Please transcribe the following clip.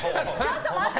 ちょっと待って！